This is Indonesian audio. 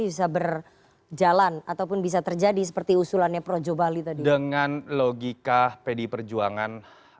bisa berjalan ataupun bisa terjadi seperti usulannya projo bali tadi dengan logika pdi perjuangan